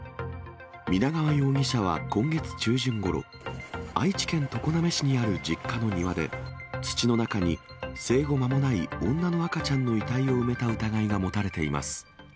皆川容疑者は今月中旬ごろ、愛知県常滑市にある実家の庭で、土の中に生後間もない女の赤ちゃんの遺体を埋めた疑いが持たれています。